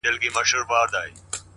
كله وي خپه اكثر.